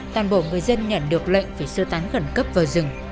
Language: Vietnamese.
toàn bộ người dân nhận được lệnh phải sưu tán gần cấp vào rừng